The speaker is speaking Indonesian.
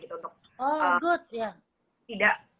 oh bagus ya